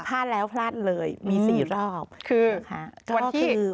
พลาดแล้วพลาดเลยมี๔รอบคือ